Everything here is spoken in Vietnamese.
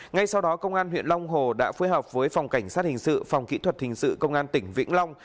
ngay sau đó công an huyện long hồ đã phối hợp với phòng cảnh sát hình sự phòng kỹ thuật hình sự công an tỉnh vĩnh long